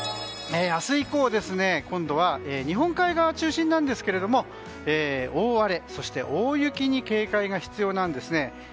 明日以降、今度は日本海側中心なんですけれども大荒れ、そして大雪に警戒が必要なんです。